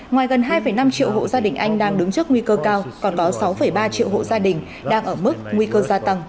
ngoài gần hai năm triệu hộ gia đình anh đang đứng trước nguy cơ cao còn có sáu ba triệu hộ gia đình đang ở mức nguy cơ gia tăng